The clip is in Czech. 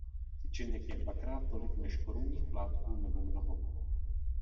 Tyčinek je dvakrát tolik než korunních plátků nebo mnoho.